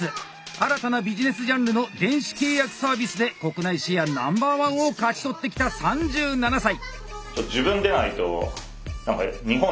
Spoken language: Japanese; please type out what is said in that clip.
新たなビジネスジャンルの電子契約サービスで国内シェアＮｏ．１を勝ち取ってきた３７歳。